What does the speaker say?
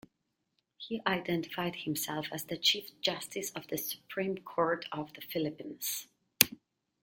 He identified himself as the Chief Justice of the Supreme Court of the Philippines.